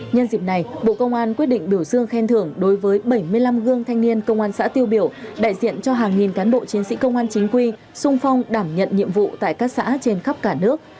nhân dịp này bộ công an quyết định biểu dương khen thưởng đối với bảy mươi năm gương thanh niên công an xã tiêu biểu đại diện cho hàng nghìn cán bộ chiến sĩ công an chính quy sung phong đảm nhận nhiệm vụ tại các xã trên khắp cả nước